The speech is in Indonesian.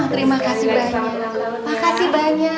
terima kasih banyak